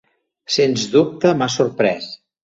Sens dubte m'ha sorprès.